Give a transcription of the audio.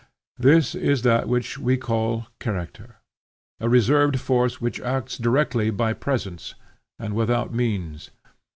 This is that which we call Character, a reserved force which acts directly by presence, and without means.